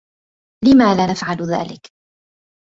لم لا نفعل ذلك؟